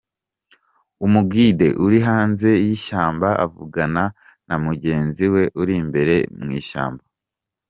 Umu-guide uri hanze y'ishyamba avugana na mugenzi we uri imbere mu ishyamba.